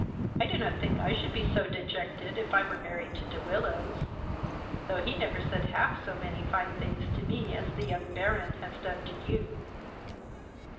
I do not think I should be so dejected if I were married to De Willows, though he never said half so many fine things to me as the young Baron has done to you."